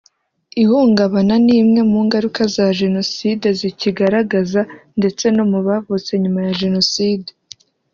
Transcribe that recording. Ihungabana ni imwe mu ngaruka za Jenoside zikigaragaza ndetse no mu bavutse nyuma ya jenoside